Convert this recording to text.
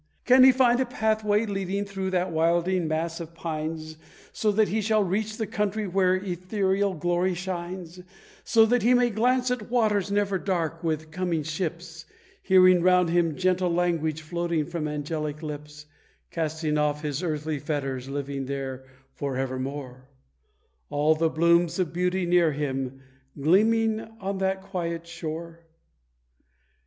Can he find a pathway leading through that wildering mass of pines, So that he shall reach the country where ethereal glory shines; So that he may glance at waters never dark with coming ships; Hearing round him gentle language floating from angelic lips; Casting off his earthly fetters, living there for evermore; All the blooms of Beauty near him, gleaming on that quiet shore?